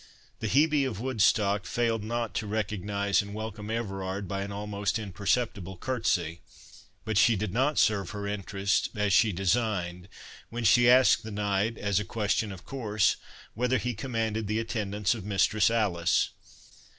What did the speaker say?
The Hebe of Woodstock failed not to recognise and welcome Everard by an almost imperceptible curtsy; but she did not serve her interest, as she designed, when she asked the knight, as a question of course, whether he commanded the attendance of Mistress Alice.